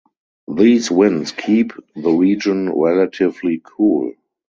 These winds keep the region relatively cool.